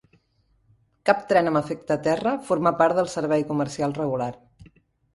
Cap tren amb efecte terra forma part del servei comercial regular.